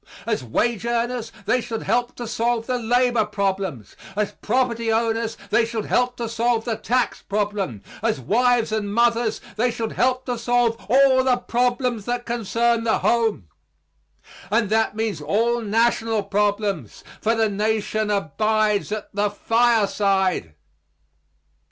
As wage earners, they should help to solve the labor problem; as property owners they should help to solve the tax problem; as wives and mothers they should help to solve all the problems that concern the home. And that means all national problems; for the Nation abides at the fireside.